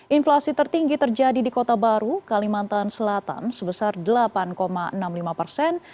inflasi tertinggi terjadi di kota baru kalimantan selatan sebesar delapan enam puluh lima persen